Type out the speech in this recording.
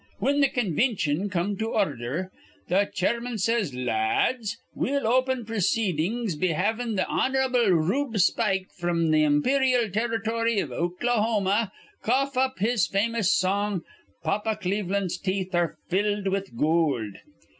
Whin th' convintion come to ordher, th' chairman says, 'La ads, we'll open proceedin's be havin' th' Hon'rable Rube Spike, fr'm th' imperyal Territ'ry iv Okalahoma, cough up his famous song, "Pa pa Cleveland's Teeth are filled with Goold."'